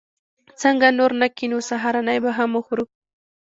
څنګه نور نه کېنو؟ سهارنۍ به هم وخورو.